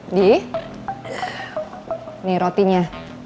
di nih rotinya